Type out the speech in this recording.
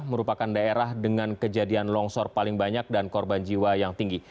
merupakan daerah dengan kejadian longsor paling banyak dan korban jiwa yang tinggi